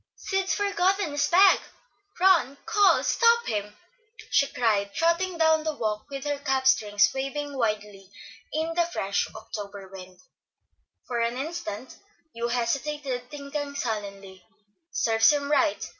"Sid's forgotten his bag. Run, call, stop him!" she cried, trotting down the walk with her cap strings waving wildly in the fresh October wind. For an instant Hugh hesitated, thinking sullenly, "Serves him right.